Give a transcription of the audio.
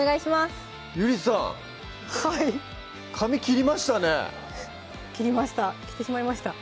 はい髪切りましたね切りました